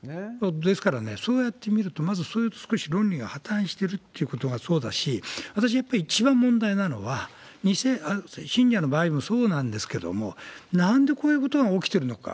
ですからね、そうやって見ると、まず、そういう論理が少し破綻してるということがそうだし、私、やっぱり一番問題なのは、２世信者の場合もそうなんですけれども、なんでこういうことが起きてるのか。